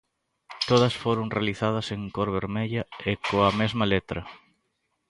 Todas foron realizadas en cor vermella e coa mesma letra.